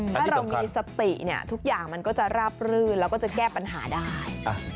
ถ้าเรามีสติเนี่ยทุกอย่างมันก็จะราบรื่นแล้วก็จะแก้ปัญหาได้